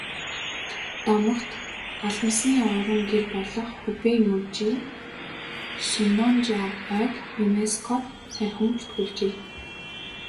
Домогт алмасны орон гэр болох Хубэй мужийн Шеннонжиа ойг ЮНЕСКО-д саяхан бүртгүүлжээ.